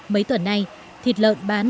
mấy tuần này thịt lợn bán